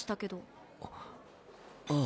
ああ。